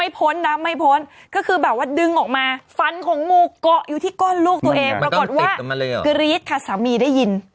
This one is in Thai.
ปรากฏว่ากรี๊ดค่ะสามีได้ยิน